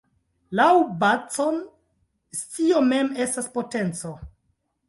Laŭ Bacon, "scio mem estas potenco".